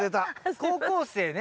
高校生ね。